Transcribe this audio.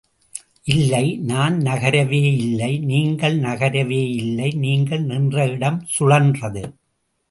இல்லை, நான் நகரவேயில்லை. நீங்கள் நகரவேயில்லை, நீங்கள் நின்ற இடம் சுழன்றது.